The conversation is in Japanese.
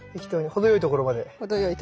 程よいとこまで。